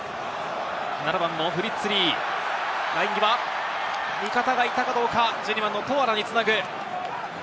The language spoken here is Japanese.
７番のフリッツ・リー、ライン際、味方がいたかどうか、トアラにつなぐ。